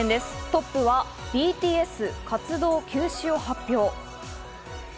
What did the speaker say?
トップはＢＴＳ活動休止を発表。